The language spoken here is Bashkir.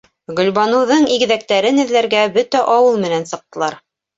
Гөлбаныуҙың игеҙәктәрен эҙләргә бөтә ауыл менән сыҡтылар.